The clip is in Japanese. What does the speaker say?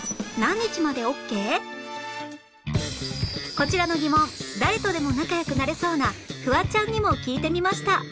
こちらの疑問誰とでも仲良くなれそうなフワちゃんにも聞いてみました